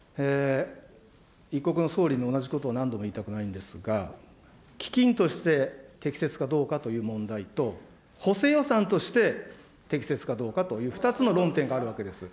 一国の総理に同じことを何度も言いたくないんですが、基金として適切かどうかという問題と、補正予算として適切かどうかという２つの論点があるわけです。